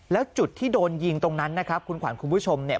แล้วจุดที่โดนยิงตรงนั้นนะครับคุณขวัญคุณผู้ชมเนี่ย